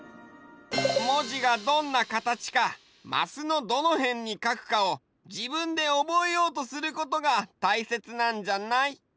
もじがどんなかたちかマスのどのへんにかくかをじぶんでおぼえようとすることがたいせつなんじゃない？